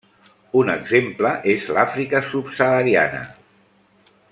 Un exemple és l'Àfrica subsahariana.